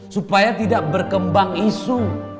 supaya tidak berkembang isu